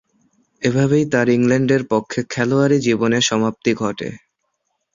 এভাবেই তার ইংল্যান্ডের পক্ষে খেলোয়াড়ী জীবনের সমাপ্তি ঘটে।